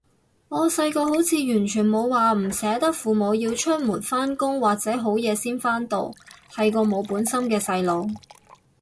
我細個好似完全冇話唔捨得父母要出門口返工或者好夜先返到，係個冇本心嘅細路